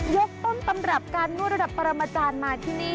ยกต้นตำรับการนวดระดับปรมาจารย์มาที่นี่